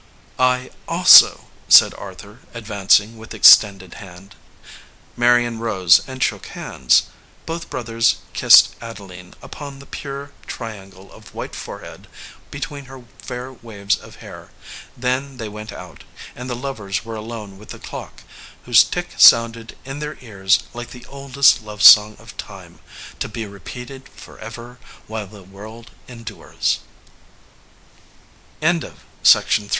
"I also," said Arthur, advancing with extended hand. Marion rose and shook hands. Both broth ers kissed Adeline upon the pure triangle of white forehead between her fair waves of hair. Then they went out, and the lovers were alone with the clock, whose tick sounded in their ears like the oldest love song of t